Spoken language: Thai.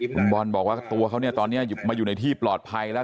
คุณบอลบอกว่าตัวเขาเนี่ยตอนนี้มาอยู่ในที่ปลอดภัยแล้ว